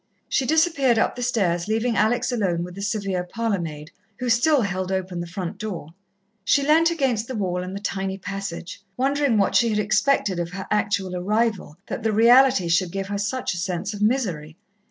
She disappeared up the stairs, leaving Alex alone with the severe parlour maid, who still held open the front door. She leant against the wall in the tiny passage, wondering what she had expected of her actual arrival, that the reality should give her such a sense of misery.